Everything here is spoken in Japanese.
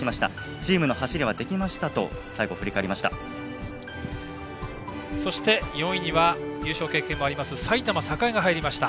チームの走りはできましたと最後、振り返りました。